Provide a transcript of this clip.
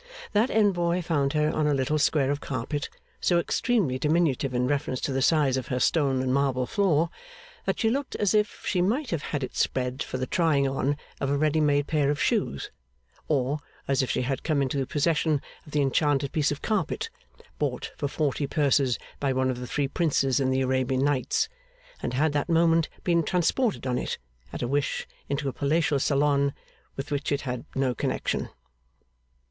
That envoy found her on a little square of carpet, so extremely diminutive in reference to the size of her stone and marble floor that she looked as if she might have had it spread for the trying on of a ready made pair of shoes; or as if she had come into possession of the enchanted piece of carpet, bought for forty purses by one of the three princes in the Arabian Nights, and had that moment been transported on it, at a wish, into a palatial saloon with which it had no connection.